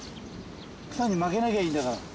草に負けなきゃいいんだから。